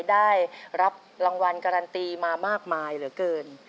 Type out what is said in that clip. ได้รับรางวัลการันตีมามากมายเหลือเกิน